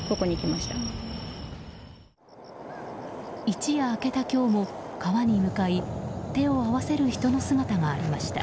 一夜明けた今日も、川に向かい手を合わせる人の姿がありました。